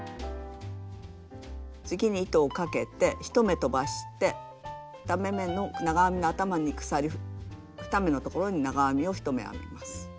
次に糸をかけて１目とばして２目めの長編みの頭に鎖２目のところに長編みを１目編みます。